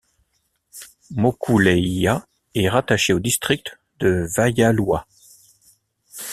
Mokulēʻia est rattachée au district de Waialua.